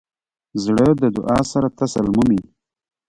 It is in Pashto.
زړه د دعا سره تسل مومي.